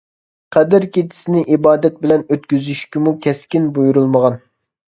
قەدىر كېچىسىنى ئىبادەت بىلەن ئۆتكۈزۈشكىمۇ كەسكىن بۇيرۇلمىغان.